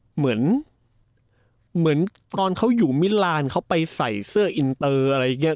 เหมือนเหมือนตอนเขาอยู่มิลานเขาไปใส่เสื้ออินเตอร์อะไรอย่างนี้